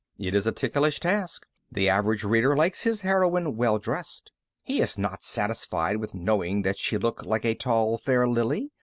It is a ticklish task. The average reader likes his heroine well dressed. He is not satisfied with knowing that she looked like a tall, fair lily.